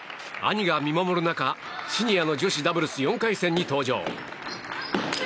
兄が見守る中シニアの女子ダブルス４回戦に登場。